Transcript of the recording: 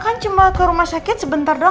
kan cuma ke rumah sakit sebentar doang